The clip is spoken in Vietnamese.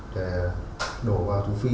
để đổ vào thủ phi